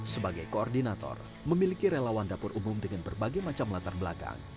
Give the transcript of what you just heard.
sebagai koordinator memiliki relawan dapur umum dengan berbagai macam latar belakang